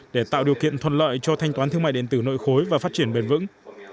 để tạo điều kiện thuận lợi cho thanh toán thương mại điện tử nội khối và phát triển bền vững